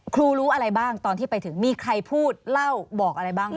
รู้อะไรบ้างตอนที่ไปถึงมีใครพูดเล่าบอกอะไรบ้าง